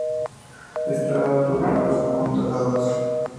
Está adornado con dorados.